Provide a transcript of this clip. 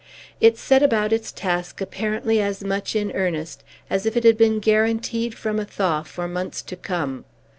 It set about its task apparently as much in earnest as if it had been guaranteed from a thaw for months to come.